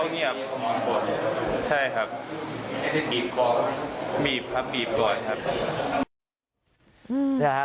มีบครับมีบก่อนครับ